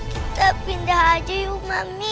kita pindah aja yuk mami